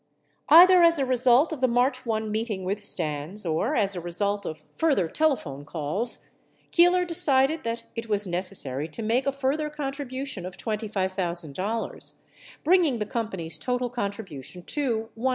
492 Either as a result of the March 1 meeting with Stans or as a result of further telephone calls, Keeler decided that it was necessary to make a further contribution of $25,000, bringing the company's total contribution to $100,000.